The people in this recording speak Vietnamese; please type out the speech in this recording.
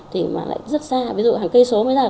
thì mà lại rất xa ví dụ hàng cây số mới là